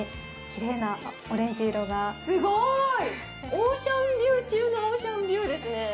オーシャンビュー中のオーシャンビューですね。